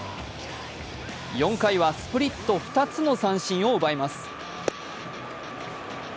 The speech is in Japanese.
４回は、スプリット２つの三振を奪います。